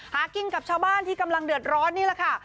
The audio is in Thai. หากินกับชาวบ้านที่กำลังเดือดร้อนนี่แหละค่ะ